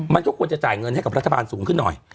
มันก็ควรจะจ่ายเงินให้กับรัฐบาลสูงขึ้นหน่อย